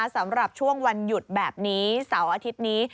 สำหรับช่วงวันหยุดแบบนี้เสาร์อาทิตย์นี้